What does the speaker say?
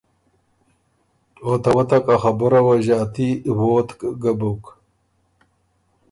او ته وتک ا خبُره وه ݫاتي ووتک ګه بُک۔